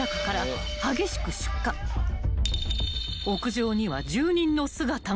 ［屋上には住人の姿が］